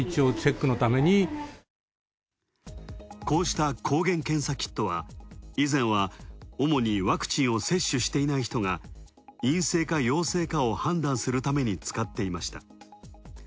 こうした抗原検査キットは、以前は主にワクチンを接種していない人が陰性か陽性かを判断するために使っていました。